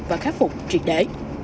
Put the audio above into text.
và khắc phục triệt để